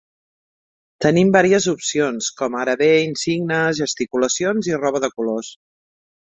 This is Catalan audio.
Tenim varies opcions com ara bé insignes, gesticulacions i roba de colors.